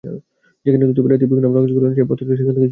সেখানে থুতু ফেলে তীব্র ঘৃণা প্রকাশ করলেন পথচারী থেকে শুরু করে সবাই।